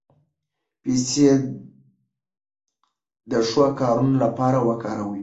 پیسې د ښو کارونو لپاره وکاروئ.